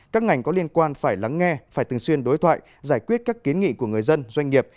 các ngành có liên quan phải lắng nghe phải thường xuyên đối thoại giải quyết các kiến nghị của người dân doanh nghiệp